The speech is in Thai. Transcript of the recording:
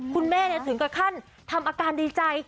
คุณแม่ถึงกับขั้นทำอาการดีใจ